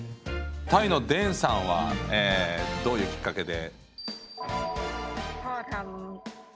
タイのデーンさんはどういうきっかけで？